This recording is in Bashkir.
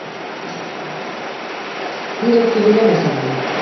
— Һин юҡты һөйләмә, Сәғди!